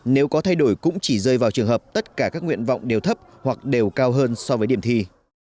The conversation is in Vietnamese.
nếu có thay đổi cũng chỉ rơi vào trường hợp tất cả các nguyện vọng đều thấp hoặc đều cao hơn so với điểm thi